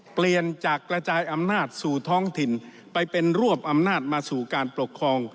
เปลี่ยนจากกระจายอำนาจสู่ท้องถิ่นไปเป็นรวบอำนาจมาสู่การปกครอง